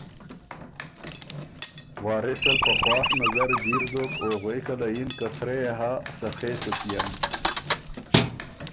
وارث ال په خواڒ نظرجیر دوک غوېکه له یِن” که سرۀ يې هۀ سخے سو کيېن“